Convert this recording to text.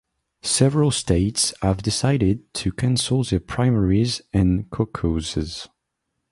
Several states have decided to cancel their primaries and caucuses.